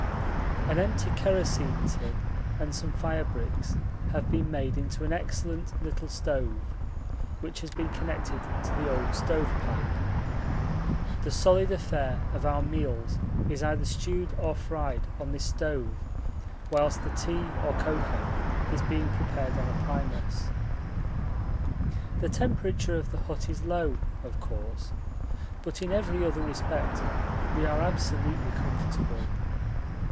An empty kerosene tin and some firebricks have been made into an excellent little stove, which has been connected to the old stove pipe. The solider fare of our meals is either stewed or fried on this stove whilst the tea or cocoa is being prepared on a primus. The temperature of the hut is low, of course, but in every other respect we are absolutely comfortable.